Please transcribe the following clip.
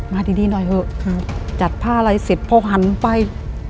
มาดีหน่อยเถอะจัดผ้าอะไรเสร็จพอหันไป